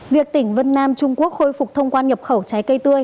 việc tỉnh vân nam trung quốc khôi phục thông quan nhập khẩu trái cây tươi